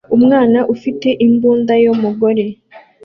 Umwana ufite imbunda yo umugore